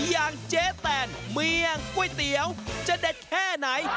อย่างเจ๊แตนเมี่ยงก๋วยเตี๋ยวจะเด็ดแค่ไหน